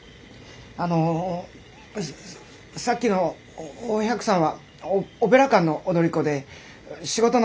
あのささっきのお百さんはおオペラ館の踊り子で仕事のつながりで。